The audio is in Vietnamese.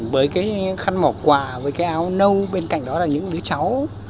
với cái khăn mỏ quà với cái áo nâu bên cạnh đó là những đứa cháu